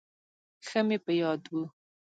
ښه مې په یاد و.